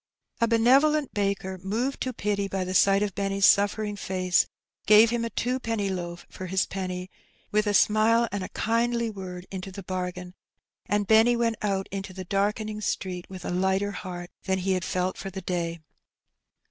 A benevolent baker, moved to pity by the sight of Benny's suffering face, gave him a twopenny loaf for his penny, with a smile and a kindly word into the bargain, and Benny went out into the darkening street with a lighter heart than he had felt for the day.